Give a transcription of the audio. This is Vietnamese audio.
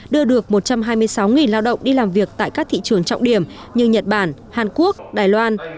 đưa được một trăm hai mươi sáu lao động đi làm việc tại các thị trường trọng điểm như nhật bản hàn quốc đài loan